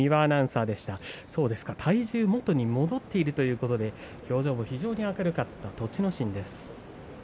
体重は元に戻っているということで非常に明るかった栃ノ心です。